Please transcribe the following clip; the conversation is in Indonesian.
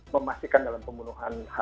memastikan dalam pemenuhan